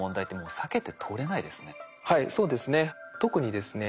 はいそうですね。